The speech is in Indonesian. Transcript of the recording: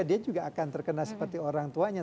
dia juga akan terkena seperti orang tuanya